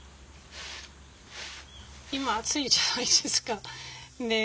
今暑いじゃないですか。